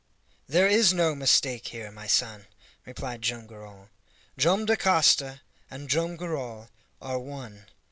"There is no mistake here, my son," replied Joam Garral; "Joam Dacosta and Joam Garral are one.